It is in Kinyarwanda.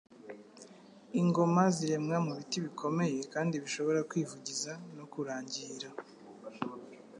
Ingoma ziremwa mu biti bikomeye kandi bishobora kwivugiza no kurangira,